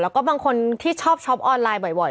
แล้วก็บางคนที่ชอบช้อปออนไลน์บ่อย